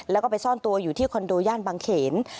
แล้วก็ไปซ่อนตัวอยู่ที่คอนโดย่านบางเขน